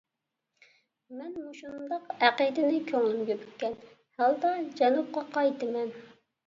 مەن مۇشۇنداق ئەقىدىنى كۆڭلۈمگە پۈككەن ھالدا جەنۇبقا قايتىمەن.